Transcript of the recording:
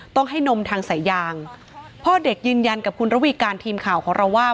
ต้องให้นมทางสายยางพ่อเด็กยืนยันกับคุณระวีการทีมข่าวของเราว่า